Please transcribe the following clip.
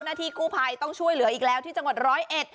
หน้าที่กู้ภัยต้องช่วยเหลืออีกแล้วที่จังหวัด๑๐๑